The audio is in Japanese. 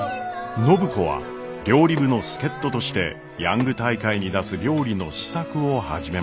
暢子は料理部の助っ人としてヤング大会に出す料理の試作を始めました。